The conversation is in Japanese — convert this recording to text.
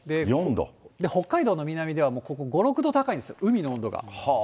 北海道の南では５、６度高いんですよ、海の温度が。